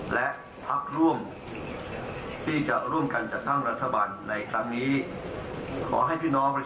และพักร่วมที่จะร่วมกันจัดตั้งรัฐบาลในครั้งนี้